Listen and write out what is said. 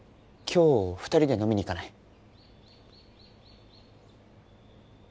今日２人で飲みに行かない？